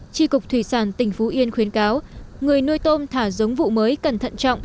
tri cục thủy sản tỉnh phú yên khuyến cáo người nuôi tôm thả giống vụ mới cẩn thận trọng